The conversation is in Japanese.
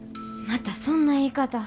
またそんな言い方。